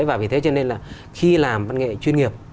và vì thế cho nên là khi làm văn nghệ chuyên nghiệp